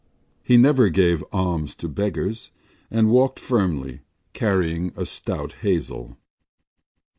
He never gave alms to beggars and walked firmly, carrying a stout hazel.